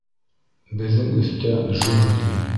Беҙҙең өҫтә — джунгли!